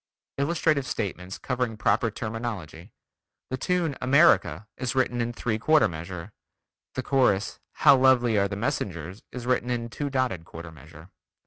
Illustrative statements covering proper terminology: the tune "America" is written in three quarter measure. The chorus: "How lovely are the Messengers" is written in two dotted quarter measure.